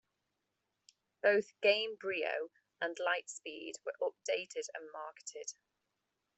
Both Gamebryo and LightSpeed were updated and marketed.